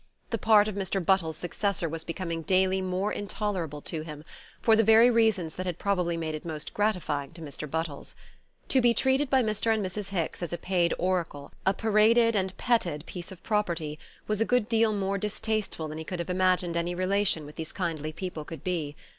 The part of Mr. Buttles' successor was becoming daily more intolerable to him, for the very reasons that had probably made it most gratifying to Mr. Buttles. To be treated by Mr. and Mrs. Hicks as a paid oracle, a paraded and petted piece of property, was a good deal more distasteful than he could have imagined any relation with these kindly people could be.